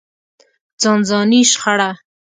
ځانځاني شخړه.